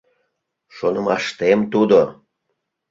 Шонымаштем, тудо.